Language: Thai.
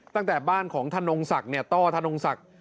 ตั้งแต่บ้านของธนงศักดิ์ต้อธนงศักดิ์